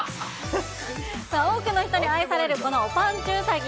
さあ、多くの人に愛されるこのおぱんちゅうさぎ。